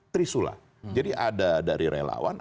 trisula jadi ada dari relawan